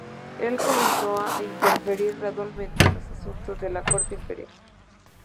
Él comenzó a interferir gradualmente en los asuntos de la Corte Imperial.